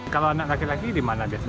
kalau anak laki laki di mana biasanya